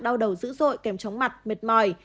đau đầu dữ dội kèm trống mặt mệt mỏi